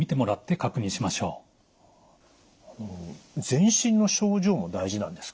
全身の症状も大事なんですか？